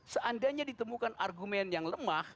seandainya ditemukan argumen yang lemah